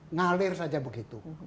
ngalir saja begitu